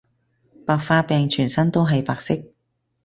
白化病全身都係白色